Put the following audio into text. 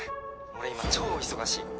俺今超忙しい。